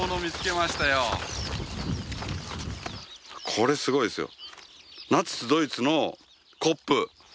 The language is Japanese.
これすごいですよ。